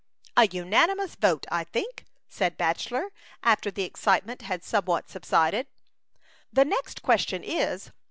"A unanimous vote, I think,'' said Bachelor, after the excitement had somewhat subsided. " The next question is.